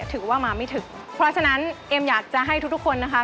ถือว่ามาไม่ถึงเพราะฉะนั้นเอมอยากจะให้ทุกทุกคนนะคะ